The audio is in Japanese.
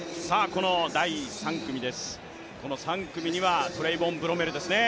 第３組です、３組にはトレイボン・ブロメルですね。